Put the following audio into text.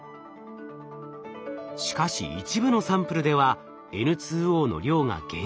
しかし一部のサンプルではＮＯの量が減少。